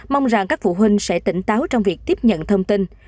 mong rằng các phụ huynh sẽ tỉnh táo trong việc tiếp nhận thông tin